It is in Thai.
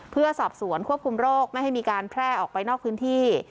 เพื่อสอบสวนควบคุมโรคไม่ให้มีการแพร่ออกไปนอกพื้นที่